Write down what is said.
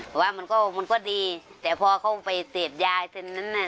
แต่ว่ามันก็ดีแต่พอเข้าไปเศษยาย